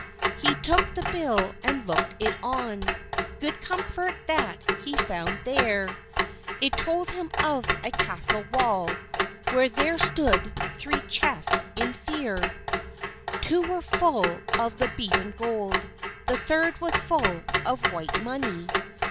He tooke the bill and looked it on, Good comfort that he found there; It told him of a castle wall Where there stood three chests in feare: Two were full of the beaten gold, The third was full of white money.